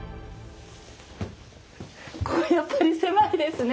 これやっぱり狭いですね。